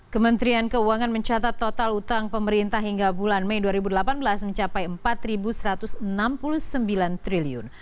kementerian keuangan mencatat total utang pemerintah hingga bulan mei dua ribu delapan belas mencapai rp empat satu ratus enam puluh sembilan triliun